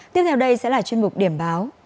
tiếp theo đây sẽ là chuyên mục điểm báo